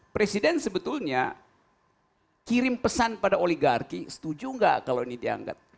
presiden sebetulnya kirim pesan pada oligarki setuju nggak kalau ini dianggap